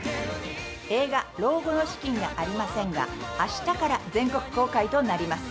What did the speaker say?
映画「老後の資金がありません！」が明日から全国公開となります。